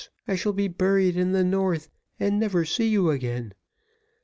I shall be buried in the north, and never see you again.